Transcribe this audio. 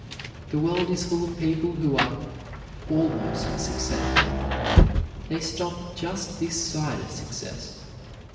The world is full of people who are "almost a success." They stop just this side of success.